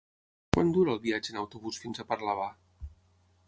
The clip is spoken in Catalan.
Quant dura el viatge en autobús fins a Parlavà?